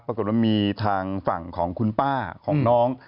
ปรากฏว่ามีทางฝั่งของคุณป้าของน้อง